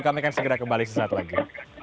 kami akan segera kembali sesaat lagi